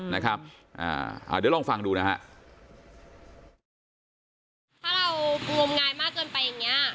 มันก็จะยังไง